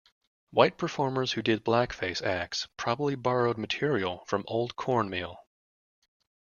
White performers who did blackface acts probably borrowed material from Old Corn Meal.